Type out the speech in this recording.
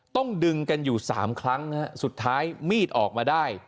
ต้องดึงกันอยู่๓ครั้งสุดท้ายมีดออกมาได้